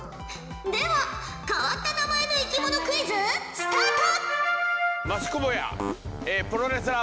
では変わった名前の生き物クイズスタート！